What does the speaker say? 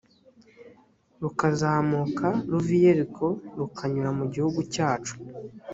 rukazamuka ruva i yeriko rukanyura mu gihugu cyacu